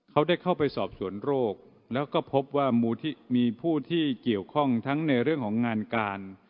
เขาได้เข้าไปสอบสวนโรคแล้วก็พบว่ามีผู้ที่เกี่ยวข้องทั้งในเรื่องของงานการ